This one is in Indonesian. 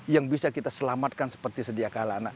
yang bisa kita selamatkan seperti sediakala